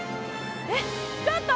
えっちょっと！